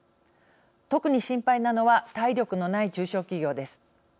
特に心配なのは体力のない中小企業です。